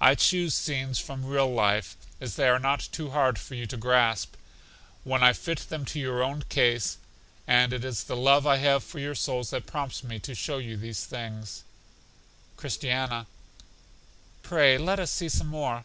I choose scenes from real life, as they are not too hard for you to grasp, when I fit them to your own case; and it is the love I have for your souls that prompts me to show you these things. Christiana: Pray let us see some more.